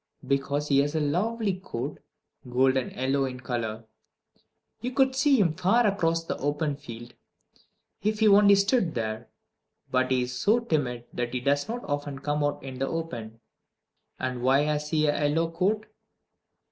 Because he has a lovely coat, golden yellow in color. You could see him far across the open field, if he only stood there. But he is so timid that he does not often come out in the open. And why has he a yellow coat?